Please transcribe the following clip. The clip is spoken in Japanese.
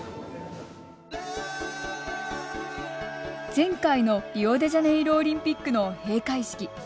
前回のリオデジャネイロオリンピックの閉会式。